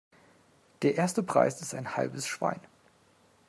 Der erste Preis ist ein halbes Schwein.